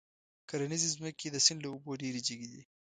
کرنيزې ځمکې د سيند له اوبو ډېرې جګې دي.